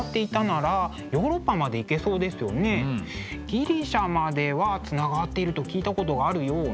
ギリシャまではつながっていると聞いたことがあるような。